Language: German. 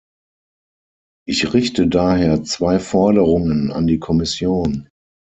Ich richte daher zwei Forderungen an die Kommission.